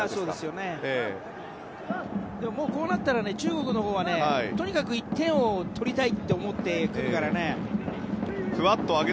でも、こうなったら中国はとにかく１点を取りたいと思ってくるからね。